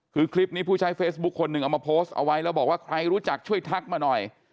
คือคลิปนี้ผู้ใช้เฟซบุ๊คคนหนึ่งเอามาโพสต์เอาไว้แล้วบอกว่าใครรู้จักช่วยทักมาหน่อย